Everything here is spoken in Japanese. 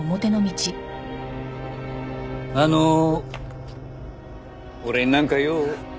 あの俺になんか用？